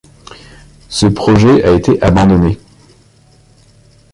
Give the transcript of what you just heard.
Ce projet a été abandonné.